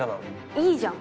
いいじゃん。